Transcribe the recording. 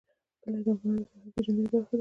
کلي د افغانانو د فرهنګي پیژندنې برخه ده.